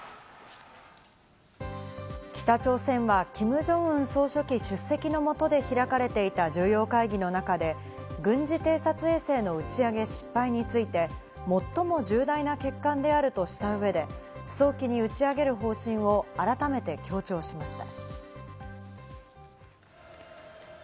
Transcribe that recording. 北朝鮮はキム・ジョンウン総書記出席のもとで開かれていた重要会議の中で、軍事偵察衛星の打ち上げ失敗について最も重大な欠陥であるとしたうえで、早期に打ち上げる方針を改めて強調しました。